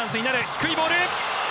低いボール！